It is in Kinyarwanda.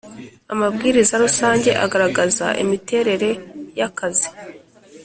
amabwiriza rusange agaragaza imiterere ya akazi